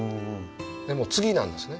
でも次なんですね。